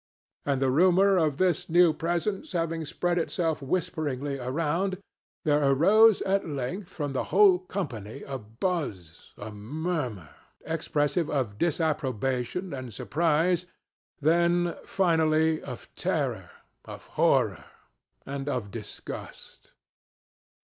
And the rumor of this new presence having spread itself whisperingly around, there arose at length from the whole company a buzz, or murmur, expressive of disapprobation and surprise—then, finally, of terror, of horror, and of disgust.